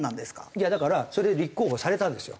いやだからそれで立候補されたんですよ。